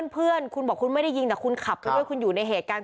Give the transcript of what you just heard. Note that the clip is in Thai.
เพื่อนคุณบอกคุณไม่ได้ยิงแต่คุณขับไปด้วยคุณอยู่ในเหตุการณ์